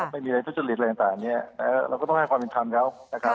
ไม่มีอะไรทุจริตอะไรต่างเราก็ต้องให้ความเป็นทางเขา